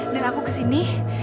dan aku kesini